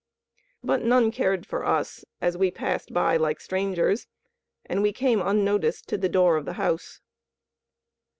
But none cared for us, as we passed by like strangers, and we came unnoticed to the door of the house.